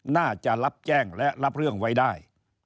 น่าจะรับแจ้งและรับเรื่องไว้ได้